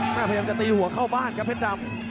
พยายามจะตีหัวเข้าบ้านครับเพชรดำ